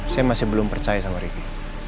saya masih belum percaya sama ricky